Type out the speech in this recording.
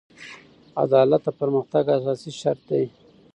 عدالت د پرمختګ اساسي شرط دی.